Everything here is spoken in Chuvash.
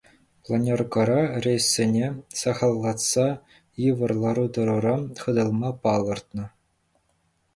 Планеркӑра рейссене сахаллатса йывӑр лару-тӑруран хӑтӑлма палӑртнӑ.